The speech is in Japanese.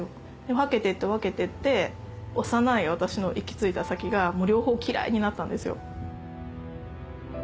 分けてって分けてって幼い私の行き着いた先が両方嫌いになったんですよ。